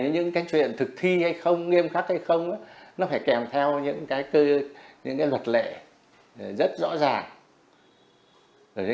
những cái chuyện thực thi hay không nghiêm khắc hay không nó phải kèm theo những luật lệ rất rõ ràng